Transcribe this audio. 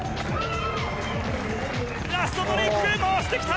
ラストトリック回してきた！